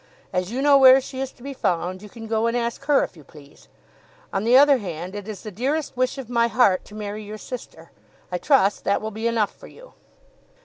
As you know where she is to be found you can go and ask her if you please. On the other hand, it is the dearest wish of my heart to marry your sister. I trust that will be enough for you."